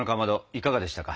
いかがでしたか？